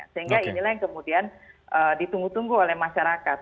sehingga inilah yang kemudian ditunggu tunggu oleh masyarakat